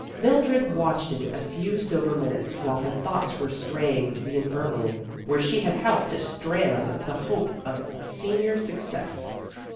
Mildred watched it a few sober minutes while her thoughts were straying to the infirmary where she had helped to strand the hope of senior success.